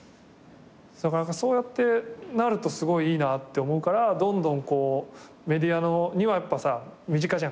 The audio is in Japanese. そうやってなるとすごいいいなって思うからどんどんこうメディアにはやっぱさ身近じゃん？